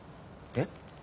えっ？